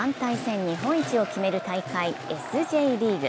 日本一を決める大会Ｓ／Ｊリーグ。